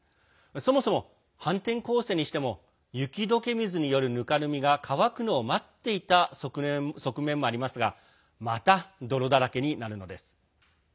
そもそも反転攻勢にしても雪どけ水による、ぬかるみが乾くのを待っていた側面もありますがまた泥だらけになるのです。